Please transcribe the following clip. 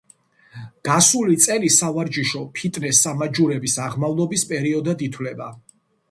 გასული წელი სავარჯიშო ფიტნეს-სამაჯურების აღმავლობის პერიოდად ითვლება.